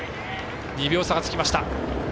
２秒差がつきました。